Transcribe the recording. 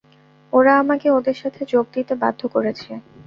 ওরা আমাকে ওদের সাথে যোগ দিতে বাধ্য করেছে।